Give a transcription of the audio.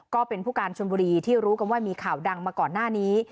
ก็เป็นผู้การชนบุรีที่รู้กันว่ามีข่าวดังมาก่อนหน้านี้